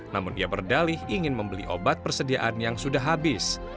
namun ia berdalih ingin membeli obat persediaan yang sudah habis